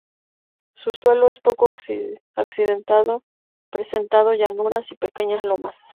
Su suelo es poco accidentado presentando llanuras y pequeñas lomas.